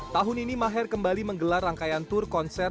tahun ini maher kembali menggelar rangkaian tour konser